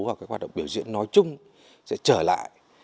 và cái hoạt động biểu diễn nói chung sẽ trở lại